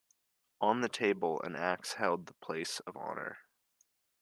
On the table an axe held the place of honour.